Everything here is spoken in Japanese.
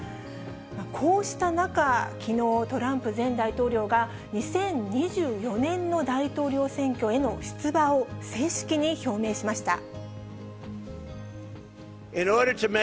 こうした中、きのう、トランプ前大統領が２０２４年の大統領選挙への出馬を正式に表明しました。